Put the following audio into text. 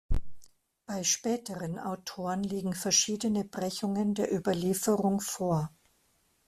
Bei späteren Autoren liegen verschiedene Brechungen der Überlieferung vor.